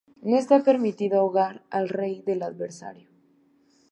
No está permitido "ahogar" al rey del adversario.